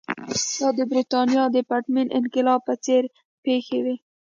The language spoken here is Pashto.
دا د برېټانیا د پرتمین انقلاب په څېر پېښې وې.